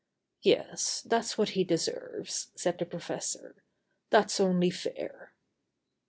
"Yes, that's what he deserves," said the professor. "That's only fair."